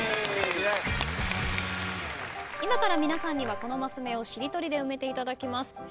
今から皆さんにはこのマス目をしりとりで埋めていただきます。